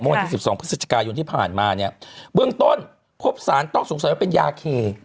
วันที่๑๒พฤศจิกายนที่ผ่านมาเนี่ยเบื้องต้นพบสารต้องสงสัยว่าเป็นยาเค